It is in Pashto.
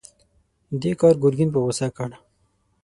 دې کار ګرګين په غوسه کړ.